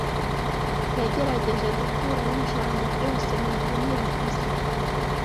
Yagerageje gukuramo ijambo ryose mwarimu yavuze.